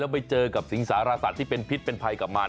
ไปเจอกับสิงสารสัตว์ที่เป็นพิษเป็นภัยกับมัน